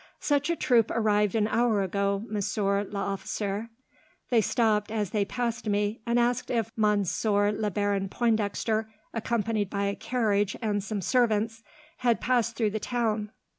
"Such a troop arrived an hour ago, Monsieur l'officier. They stopped, as they passed me, and asked if Monsieur le Baron Pointdexter, accompanied by a carriage and some servants, had passed through the town.